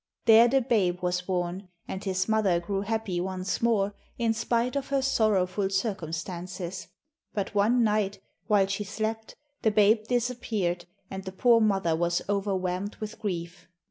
There the babe was born, and his mother grew happy once more, in spite of her sorrowful circumstances. But one night, while she slept, the babe disappeared, and the poor mother was overwhelmed with grief.